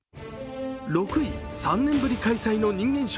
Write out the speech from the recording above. ６位、３年ぶり開催の人間